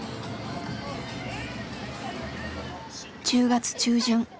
１０月中旬。